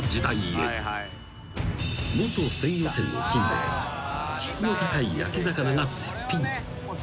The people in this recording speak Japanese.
［元鮮魚店の金兵衛は質の高い焼き魚が絶品］